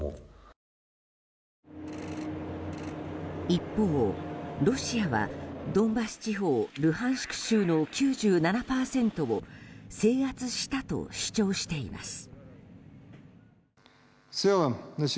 一方、ロシアはドンバス地方ルハンシク州の９７％を制圧したと主張しています。